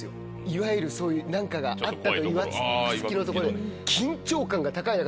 いわゆるそういう何かがあったといわく付きの所で。